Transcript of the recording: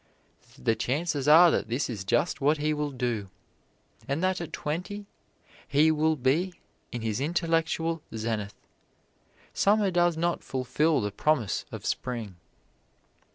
The chances are that this is just what he will do, and that at twenty he will be in his intellectual zenith. Summer does not fulfil the promise of Spring.